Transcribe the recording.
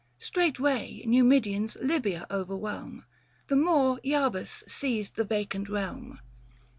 Straightway Numidians Lybia overwhelm, The Moor Iarbas seized the vacant realm.